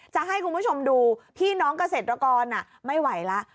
จะให้คุณผู้ชมดูพี่น้องเกษตรกรไม่ไหวแล้ว